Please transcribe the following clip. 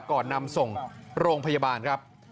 ก่อนนำส่งโรงพยาบาลครับ